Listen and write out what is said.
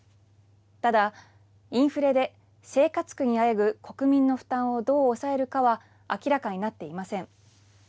ただ、インフレで生活苦にあえぐ国民の負担をどう抑えるかは明らかになっていません。